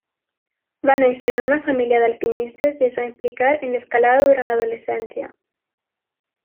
Va néixer en una família d'alpinistes i es va implicar en l'escalada durant l'adolescència.